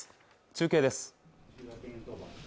中継です